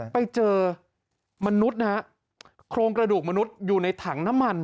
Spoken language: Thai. ไปเจอมนุษย์นะฮะโครงกระดูกมนุษย์อยู่ในถังน้ำมัน